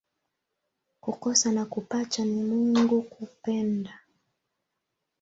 Kukosa na kupacha ni mungu kupenda.